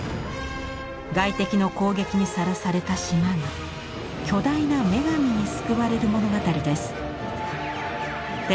外敵の攻撃にさらされた島が巨大な女神に救われる物語です。